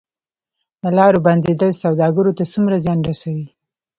د لارو بندیدل سوداګرو ته څومره زیان رسوي؟